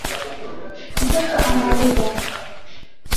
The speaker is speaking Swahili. Mtoto Analia